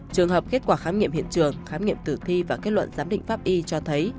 trường hợp kết quả khám nghiệm hiện trường khám nghiệm tử thi và kết luận giám định pháp y cho thấy